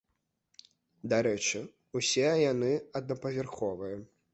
Дарэчы, усе яны аднапавярховыя.